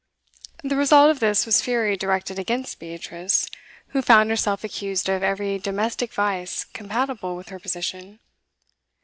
The result of this was fury directed against Beatrice, who found herself accused of every domestic vice compatible with her position.